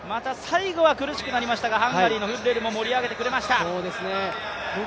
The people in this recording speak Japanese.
最後は苦しくなりましたが、ハンガリーのフッレルが盛り上げてくれました。